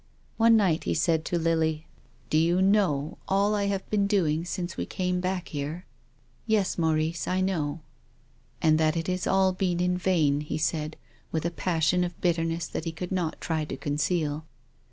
One night he said to Lily: " Do you know all I have been doing since we came back here ?"" Yes, Maurice, I know." " And that it has all been in vain," he said, with a passion of bitterness that he could not try to conceal.